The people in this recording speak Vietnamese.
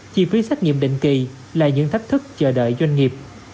chi phí xét nghiệm định kỳ là những thách thức chờ đợi doanh nghiệp